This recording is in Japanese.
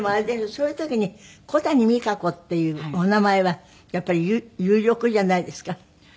そういう時に小谷実可子っていうお名前はやっぱり有力じゃないですか？